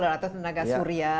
atau tenaga surya